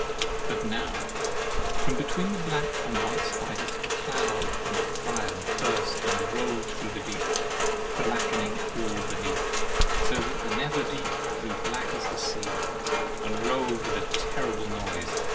'' But now, from between the black and white spiders, a cloud and fire burst and rolled through the deep, blackening all beneath so that the nether deep grew black as a sea, and rolled with a terrible noise.